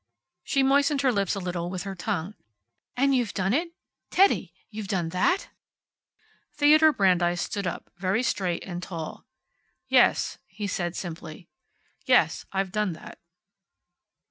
She moistened her lips a little with her tongue. "And you've done it? Teddy! You've done that!" Theodore Brandeis stood up, very straight and tall. "Yes," he said, simply. "Yes, I've done that."